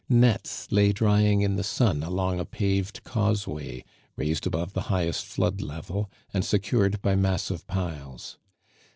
Nets lay drying in the sun along a paved causeway raised above the highest flood level, and secured by massive piles.